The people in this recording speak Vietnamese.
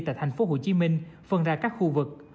tại tp hcm phân ra các khu vực